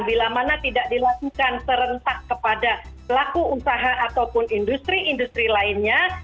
bila mana tidak dilakukan serentak kepada pelaku usaha ataupun industri industri lainnya